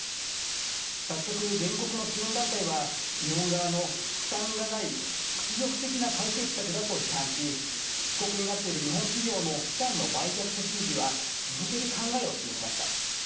早速、原告の支援団体は、日本側の負担がない、屈辱的な解決策だと批判し、被告になっている日本企業の資産の売却手続きは続ける考えを示しました。